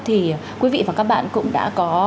thì quý vị và các bạn cũng đã có